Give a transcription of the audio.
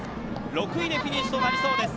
６位でフィニッシュとなりそうです。